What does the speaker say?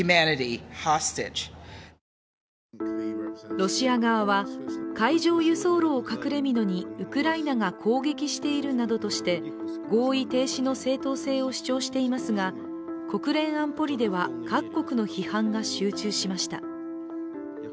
ロシア側は海上輸送路を隠れみのにウクライナが攻撃しているなどとして合意停止の正当性を主張していますが国連安保理では、各国の批判が集中しました。